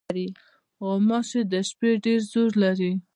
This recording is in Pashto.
غوماشې د شپې ډېر زور لري.